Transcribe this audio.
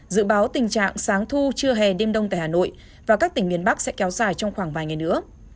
dự báo tình trạng sáng thu trưa hè đêm đông tại hà nội và các tỉnh miền bắc sẽ kéo dài trong khoảng vài ngày nữa